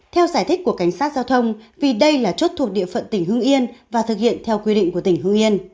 theo giải thích của cảnh sát giao thông vì đây là chốt thuộc địa phận tỉnh hương yên và thực hiện theo quy định của tỉnh hương yên